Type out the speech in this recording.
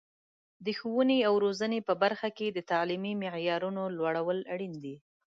د ښوونې او روزنې په برخه کې د تعلیمي معیارونو لوړول اړین دي.